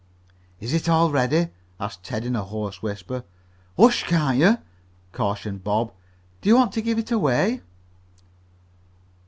"Is it all ready?" asked Ted in a hoarse whisper. "Hush, can't you!" cautioned Bob. "Do you want to give it away?"